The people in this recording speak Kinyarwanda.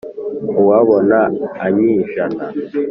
Uwabona anyijana